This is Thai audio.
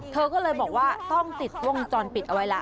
เธอก็เลยบอกว่าต้องติดวงจรปิดเอาไว้ล่ะ